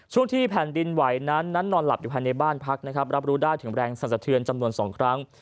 ช่วงที่แผ่นดินไหวนั้นนั้นนอนหลับอยู่ภายในบ้านพักนะครับรับรู้ได้ถึงแรงสรรสะเทือนจำนวน๒ครั้ง